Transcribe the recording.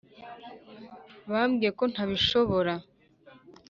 bambwiye ko ntabishobora.